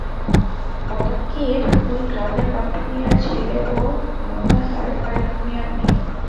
মোদাক্কির ওই গ্রামের বাপ্পী মিয়ার ছেলে ও মোন্তাহার আরিফ মিয়ার মেয়ে।